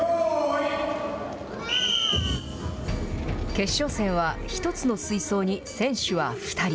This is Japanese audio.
決勝戦は、１つの水槽に選手は２人。